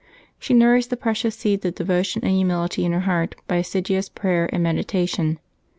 She nourished the precious seeds of devotion and humility in her heart by assiduous prayer and meditation.